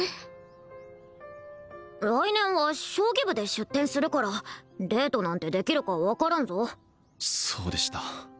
来年は将棋部で出展するからデートなんてできるか分からんぞそうでした